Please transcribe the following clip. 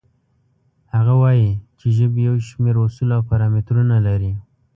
هغه وایي چې ژبې یو شمېر اصول او پارامترونه لري.